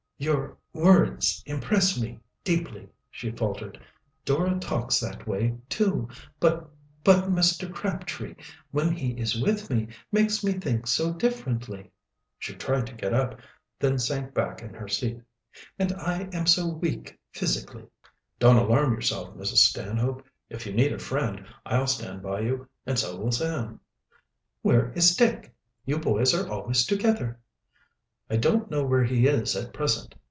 "Your words impress me deeply," she faltered. "Dora talks that way, too. But but Mr. Crabtree, when he is with me, makes me think so differently." She tried to get up, then sank back in her seat. "And I am so weak physically!" "Don't alarm yourself, Mrs. Stanhope. If you need a friend, I'll stand by you and so will Sam." "Where is Dick? You boys are always together." "I don't know where he is at present.